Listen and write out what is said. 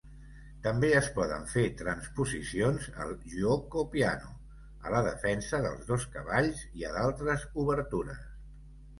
També es poden fer transposicions al "giuoco piano", a la defensa dels dos cavalls i a d'altres obertures.